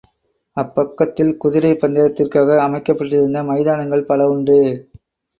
அப்பக்கத்தில் குதிரைப் பந்தயத்திற்காக அமைக்கப்பட்டிருந்த மைதானங்கள் பல உண்டு.